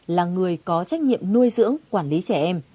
là người có trách nhiệm nuôi dưỡng quản lý trẻ em